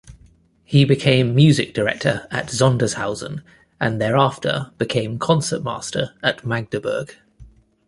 He became music director at Sondershausen, and thereafter became concertmaster at Magdeburg.